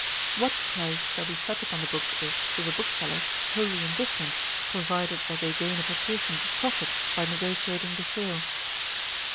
What price shall be set upon the book, is, to the booksellers, wholly indifferent, provided that they gain a proportionate profit by negociating the sale.